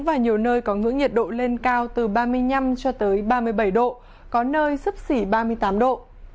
và nhiều nơi có ngưỡng nhiệt độ lên cao từ ba mươi năm cho tới ba mươi bảy độ có nơi sấp xỉ ba mươi tám độ